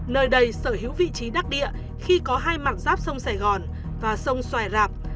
nơi đây sở hữu vị trí đắc địa khi có hai mặt giáp sông sài gòn và sông xoài rạp